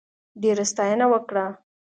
ډېره ستاینه وکړه.